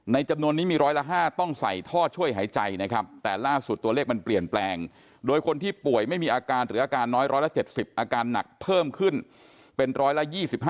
จำนวนนี้มีร้อยละ๕ต้องใส่ท่อช่วยหายใจนะครับแต่ล่าสุดตัวเลขมันเปลี่ยนแปลงโดยคนที่ป่วยไม่มีอาการหรืออาการน้อย๑๗๐อาการหนักเพิ่มขึ้นเป็นร้อยละ๒๕